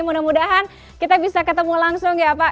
mudah mudahan kita bisa ketemu langsung ya pak